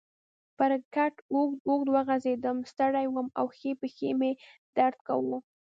پر کټ اوږد اوږد وغځېدم، ستړی وم او ښۍ پښې مې درد کاوه.